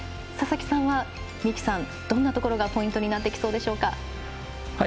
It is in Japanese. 佐々木さんは三木さん、どういうところがポイントになってきそうでしょうか。